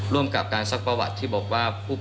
ร่วมกับการซักประวัติที่บอกว่า